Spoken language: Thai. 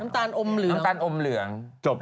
น้ำตาลอมเหลือง